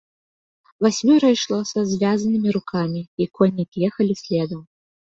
Васьмёра ішло са звязанымі рукамі, і коннікі ехалі следам.